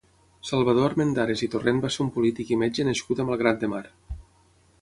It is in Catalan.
Salvador Armendares i Torrent va ser un polític i metge nascut a Malgrat de Mar.